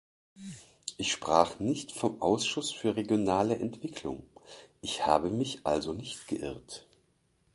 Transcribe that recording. Ich sprach nicht vom Ausschuss für regionale Entwicklung, ich habe mich also nicht geirrt.